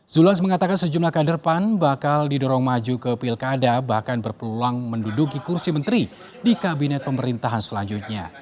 zulhas mengatakan sejumlah kader pan bakal didorong maju ke pilkada bahkan berpeluang menduduki kursi menteri di kabinet pemerintahan selanjutnya